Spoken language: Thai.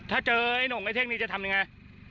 ถ้าเจอไอ้หน่งไอ้เท่งนี้จะทำยังไง